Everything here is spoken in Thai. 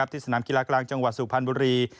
ที่สนามกีฬากลางจังหวัดสุพรรณบุรี